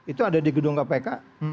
itu ada di gedung kpk